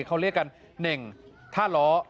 เขาเรียกกันเน่งท่าล้อ